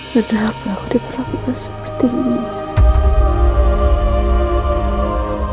kenapa aku diperlakukan seperti ini